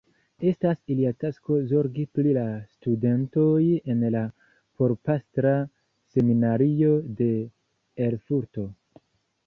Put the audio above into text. Estas ilia tasko zorgi pri la studentoj en la Porpastra Seminario de Erfurto.